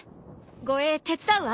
護衛手伝うわ。